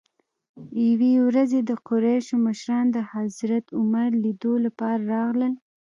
یوې ورځ د قریشو مشران د حضرت عمر لیدلو لپاره راغلل.